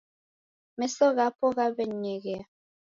Meso ghapo ghawe'ninyeghea